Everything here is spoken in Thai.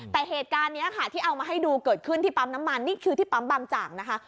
แต่เหตุการณ์นี้ค่ะที่เอามาให้ดูเกิดขึ้นที่ปั๊มน้ำมันนี่คือที่ปั๊มบางจากนะคะ